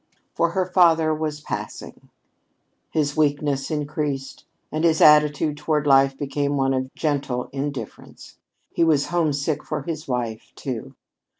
For her father was passing. His weakness increased, and his attitude toward life became one of gentle indifference. He was homesick for his wife, too.